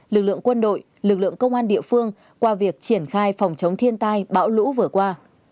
lực lượng quân đội lực lượng công an địa phương qua việc triển khai phòng chống thiên tai bão lũ vừa qua